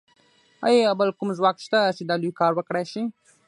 ایا بل کوم ځواک شته چې دا لوی کار وکړای شي